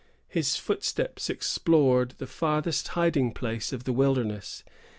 His footsteps explored the farthest hiding places of the wilderness.